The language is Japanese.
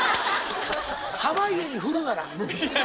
濱家に振るなら。